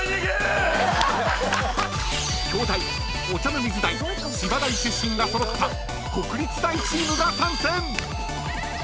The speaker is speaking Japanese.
［京大お茶の水大千葉大出身が揃った国立大チームが参戦！］